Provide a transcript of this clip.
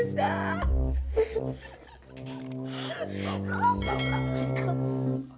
alamak alamak alamak